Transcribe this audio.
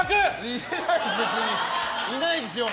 いないです、別に。